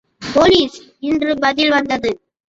Police என்று பதில் வந்தது.